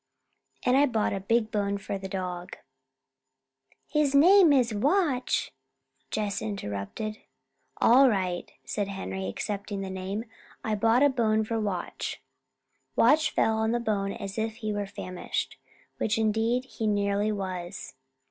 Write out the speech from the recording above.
And I bought a big bone for the dog." "His name is Watch," Jess interrupted. "All right," said Henry, accepting the name. "I bought a bone for Watch." Watch fell on the bone as if he were famished, which indeed he nearly was.